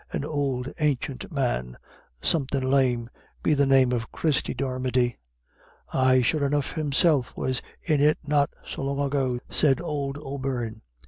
An ould ancient man, somethin' lame; be the name of Christie Dermody?" "Ay, sure enough, himself was in it not so long ago," said old O'Beirne.